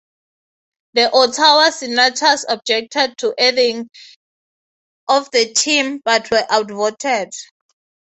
The Ottawa Senators objected to the adding of the team, but were outvoted.